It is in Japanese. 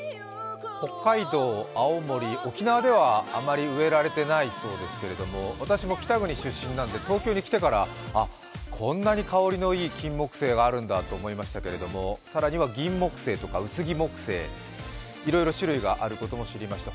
北海道、青森、沖縄ではあまり植えられてないそうですけども私も北国出身なので東京に来てからこんなに香りのいいキンモクセイがあるんだと思いましたけれども更にはギンモクセイとかウスギモクセイ、いろいろ種類があることも知りました